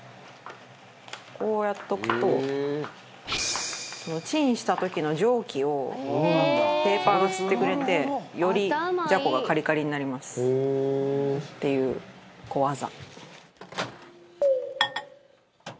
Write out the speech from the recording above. こうやっとくとチンした時の蒸気をペーパーが吸ってくれてよりジャコがカリカリになりますっていう小技。